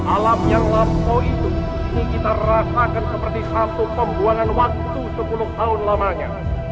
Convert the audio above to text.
alam yang lampau itu ini kita rasakan seperti satu pembuangan waktu sepuluh tahun lamanya